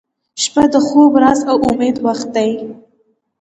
• شپه د خوب، راز، او امید وخت دی